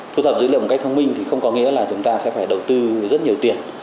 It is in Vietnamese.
thu thập dữ liệu một cách thông minh thì không có nghĩa là chúng ta sẽ phải đầu tư rất nhiều tiền